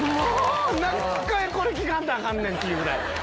何回これ聴かんとアカンねん！っていうぐらい。